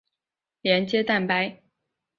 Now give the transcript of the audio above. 连接蛋白。